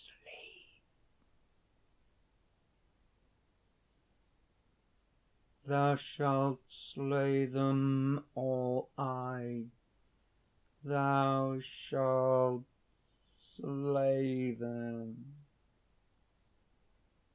Sleep!" "Thou shalt slay them all, aye, thou shalt slay them!"